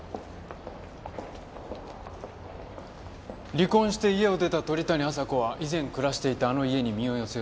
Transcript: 離婚して家を出た鳥谷亜沙子は以前暮らしていたあの家に身を寄せようとした。